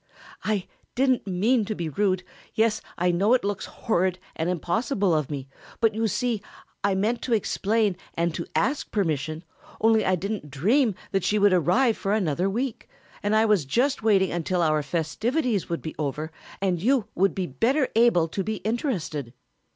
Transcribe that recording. "I didn't mean to be rude; yes, I know it looks horrid and impossible of me, but you see I meant to explain and to ask permission, only I didn't dream that she would arrive for another week, and I was just waiting until our festivities would be over and you would be better able to be interested."